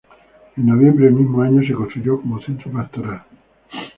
En noviembre del mismo año, se constituyó como centro pastoral.